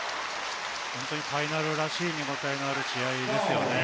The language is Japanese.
本当にファイナルらしい、見応えのあるゲームですよね。